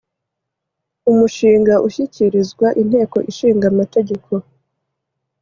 umshinga ushyikirizwa inteko ishinga amategeko